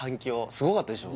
すごかったでしょ？